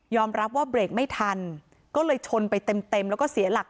รับว่าเบรกไม่ทันก็เลยชนไปเต็มเต็มแล้วก็เสียหลัก